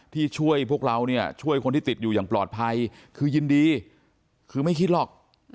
ที่ช่วยพวกเราเนี่ยช่วยคนที่ติดอยู่อย่างปลอดภัยคือยินดีคือไม่คิดหรอก